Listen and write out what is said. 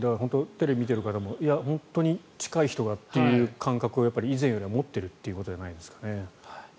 テレビを見ている方も本当に近い人がという感覚を以前よりは持っているということなんじゃないんですかね。